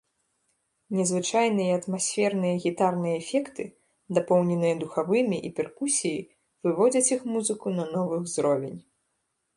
Незвычайныя атмасферныя гітарныя эфекты, дапоўненыя духавымі і перкусіяй выводзяць іх музыку на новы ўзровень.